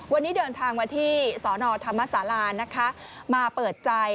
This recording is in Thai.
วันนี้เดินทางมาที่สนธรรมศาลานะคะมาเปิดใจ